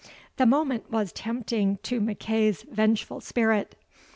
The moment was tempting to MacEagh's vengeful spirit.